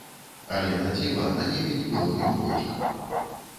Але, на дзіва, на небе не было ні воблачка!